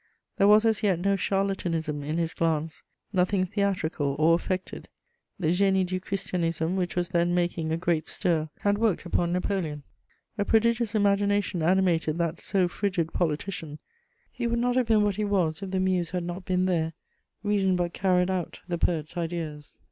There was as yet no charlatanism in his glance, nothing theatrical or affected. The Génie du Christianisme, which was then making a great stir, had worked upon Napoleon. A prodigious imagination animated that so frigid politician: he would not have been what he was, if the Muse had not been there; reason but carried out the poet's ideas.